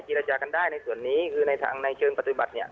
รจากันได้ในส่วนนี้คือในทางในเชิงปฏิบัติเนี่ย